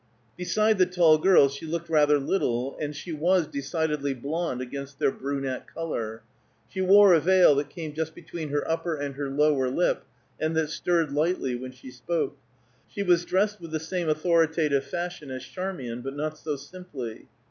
Beside the tall girls she looked rather little, and she was decidedly blonde against their brunette color. She wore a veil that came just between her upper and her lower lip, and that stirred lightly when she spoke. She was dressed with the same authoritative fashion as Charmian, but not so simply.